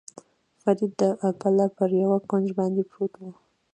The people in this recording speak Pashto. فرید د پله پر یوه کونج باندې پروت و.